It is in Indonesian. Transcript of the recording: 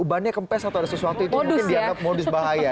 ubahannya kempes atau sesuatu itu mungkin dianggap modus bahaya